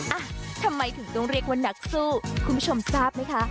อ่ะทำไมถึงต้องเรียกว่านักสู้คุณผู้ชมทราบไหมคะ